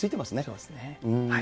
そうですね。